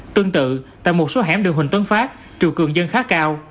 tương tự tại một số hẻm đường huỳnh tuấn phát triều cường dân khá cao